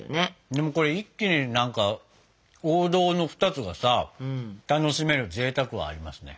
でもこれ一気に何か王道の２つがさ楽しめるぜいたくはありますね。